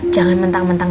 jangan mentang mentang